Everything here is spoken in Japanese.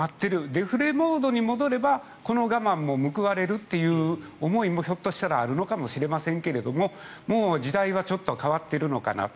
デフレモードに戻ればこの我慢も報われるという思いもひょっとしたらあるのかもしれませんけれどももう時代はちょっと変わっているのかなと。